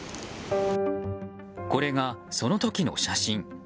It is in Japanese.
これがその時の写真。